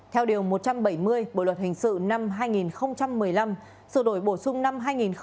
theo điều một trăm bảy mươi bộ luật hình sự năm hai nghìn một mươi năm sự đổi bổ sung năm hai nghìn một mươi bảy